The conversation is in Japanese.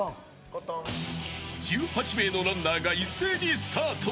１８名のランナーが一斉にスタート。